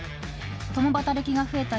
共働きが増えた